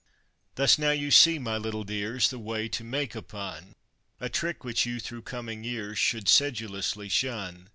Thus now you see, my little dears, the way to make a pun; A trick which you, through coming years, should sedulously shun.